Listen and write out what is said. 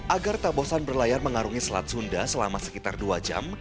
agar tak bosan berlayar mengarungi selat sunda selama sekitar dua jam